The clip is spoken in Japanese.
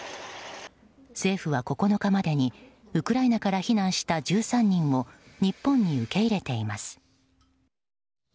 政府は９日までにウクライナから避難した１３人を日本に受け入れています。